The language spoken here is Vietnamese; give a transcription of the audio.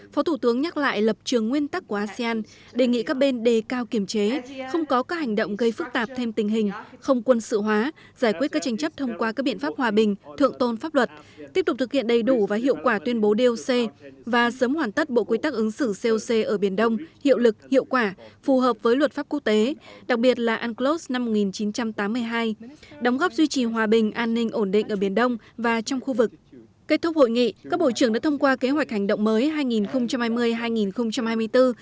phó thủ tướng nhắc lại lập trường nguyên tắc của asean đề nghị các bên đề cao kiểm chế không có các hành động gây phức tạp thêm tình hình không quân sự hóa giải quyết các tranh chấp thông qua các biện pháp hòa bình thượng tôn pháp luật tiếp tục thực hiện đầy đủ và hiệu quả tuyên bố d o c và sớm hoàn tất bộ quy tắc ứng xử c o c ở biển đông hiệu lực hiệu quả phù hợp với luật pháp quốc tế đặc biệt là unclos năm một nghìn chín trăm tám mươi hai đóng góp duy trì hòa bình an ninh ổn định ở biển đông và trong khu